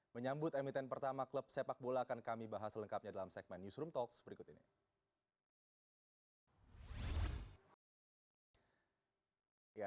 menyambut emiten pertama klub sepak bola akan kami bahas selengkapnya dalam segmen newsroom talks berikut ini